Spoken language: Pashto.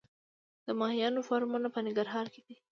د ماهیانو فارمونه په ننګرهار کې دي